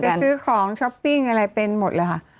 ซื้อของช้อปปิ้งอะไรเป็นหมดเลยค่ะ